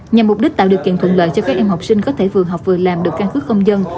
nhằm mục đích tạo điều kiện thuận lợi cho các em học sinh có thể vừa học vừa làm được căn cứ công dân